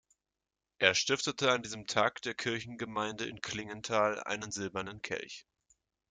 Er stiftete an diesem Tag der Kirchgemeinde in Klingenthal einen silbernen Kelch.